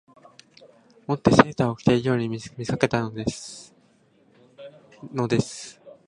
以てセーターを着ているように見せかけていたのです